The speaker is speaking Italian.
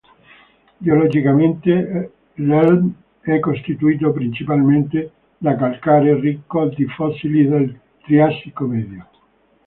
Geologicamente l'Elm è costituito principalmente da calcare ricco di fossili del Triassico medio.